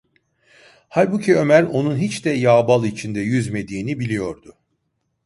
Halbuki Ömer, onun hiç de yağ bal içinde yüzmediğini biliyordu.